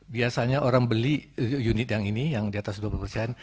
biasanya orang beli unit yang ini yang di atas dua puluh persen